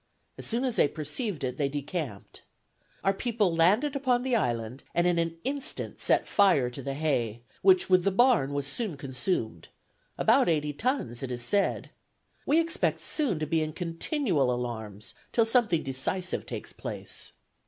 As soon as they perceived it, they decamped. Our people landed upon the island, and in an instant set fire to the hay, which, with the barn, was soon consumed, about eighty tons, it is said. We expect soon to be in continual alarms, till something decisive takes place.